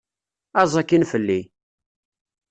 Aẓ akkin fell-i!